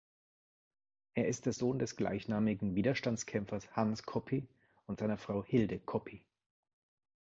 Er ist der Sohn des gleichnamigen Widerstandskämpfers Hans Coppi und seiner Frau Hilde Coppi.